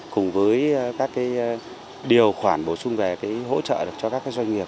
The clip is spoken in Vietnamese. cùng với các điều khoản bổ sung về hỗ trợ cho các doanh nghiệp